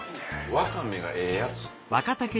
ワカメがええやつ。